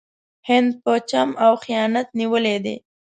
هند په چم او خیانت نیولی دی.